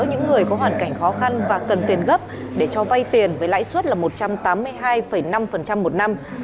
những người có hoàn cảnh khó khăn và cần tiền gấp để cho vay tiền với lãi suất là một trăm tám mươi hai năm một năm